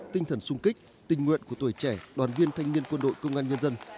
tinh thần sung kích tình nguyện của tuổi trẻ đoàn viên thanh niên quân đội công an nhân dân